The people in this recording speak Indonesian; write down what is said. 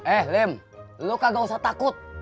eh lim lo kagak usah takut